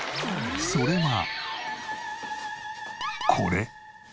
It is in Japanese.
それはこれ。